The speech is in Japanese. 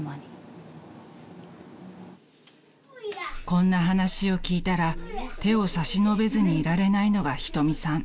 ［こんな話を聞いたら手を差し伸べずにいられないのが瞳さん］